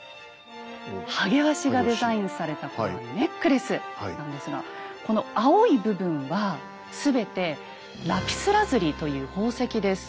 ハゲワシがデザインされたこのネックレスなんですがこの青い部分は全てラピスラズリという宝石です。